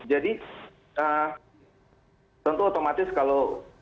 jadi tentu otomatis kalau